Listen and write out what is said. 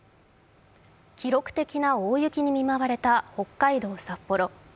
記録的な大雪に見舞われた北海道札幌。